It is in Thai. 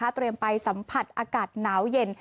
เตรียมไปสัมผัสอากาศหนาวเย็น